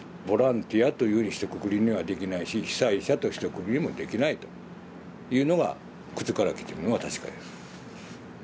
ボランティアというひとくくりにはできないし被災者とひとくくりもできないというのが靴からきてるのは確かです。